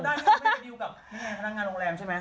นี่ไงพนักงานโรงแรมใช่ไหม